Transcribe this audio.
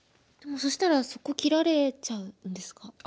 でもそしたらそこ切られちゃうんですか？